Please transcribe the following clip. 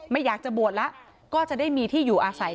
ไม่อยากจะบวชแล้วก็จะได้มีที่อยู่อาศัย